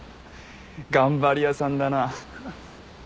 頑張り屋さんだな。